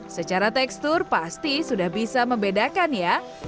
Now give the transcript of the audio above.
secara tekstur pasti sudah bisa membedakan ya